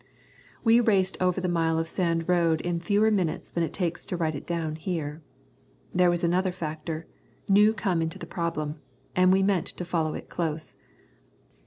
We raced over the mile of sand road in fewer minutes than it takes to write it down here. There was another factor, new come into the problem, and we meant to follow it close.